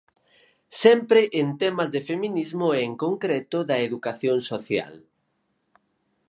Sempre en temas de feminismo e en concreto da educación social.